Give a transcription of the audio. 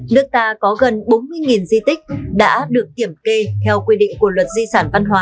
nước ta có gần bốn mươi di tích đã được kiểm kê theo quy định của luật di sản văn hóa